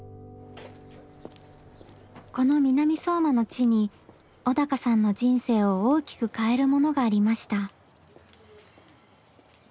この南相馬の地に小鷹さんの人生を大きく変えるものがありました。